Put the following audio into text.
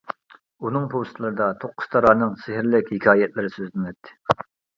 ئۇنىڭ پوۋېستلىرىدا توققۇزتارانىڭ سېھىرلىك ھېكايەتلىرى سۆزلىنەتتى.